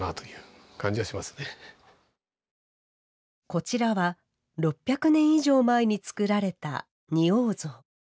こちらは、６００年以上前に作られた仁王像。